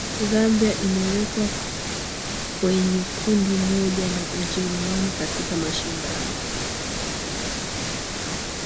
zambia imewekwa kweneye kundi moja na ujerumani katika mashindano